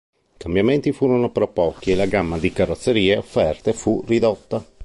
I cambiamenti furono però pochi e la gamma di carrozzerie offerte fu ridotta.